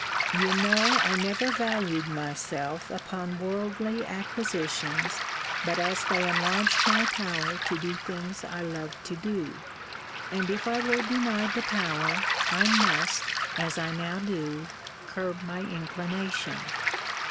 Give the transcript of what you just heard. You know I never valued myself upon worldly acquisitions, but as they enlarged my power to do things I loved to do. And if I were denied the power, I must, as I now do, curb my inclination.